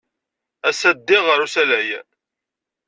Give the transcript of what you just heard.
Ass-a, ddiɣ ɣer usalay.